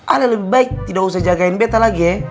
ale lebih baik tidak usah jagain beta lagi